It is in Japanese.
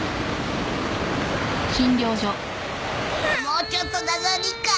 もうちょっとだぞリカ。